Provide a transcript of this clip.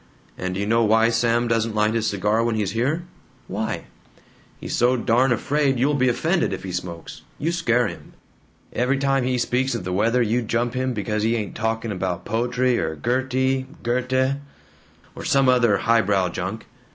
"And d' you know why Sam doesn't light his cigar when he's here?" "Why?" "He's so darn afraid you'll be offended if he smokes. You scare him. Every time he speaks of the weather you jump him because he ain't talking about poetry or Gertie Goethe? or some other highbrow junk.